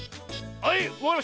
はい。